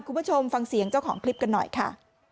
คุณผู้ชมฟังเสียงเจ้าของคลิปกันหน่อยค่ะ